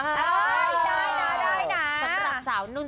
ได้นะสำหรับสาวนุน